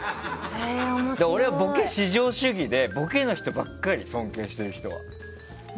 俺はボケ至上主義でボケの人ばっかり尊敬してる人は。